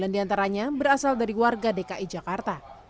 empat puluh sembilan diantaranya berasal dari warga dki jakarta